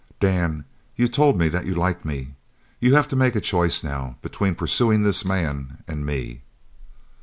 "Dan, you've told me that you like me. You have to make a choice now, between pursuing this man, and me."